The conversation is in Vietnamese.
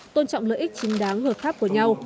tôn trọng lợi ích chính đáng hợp pháp của nhau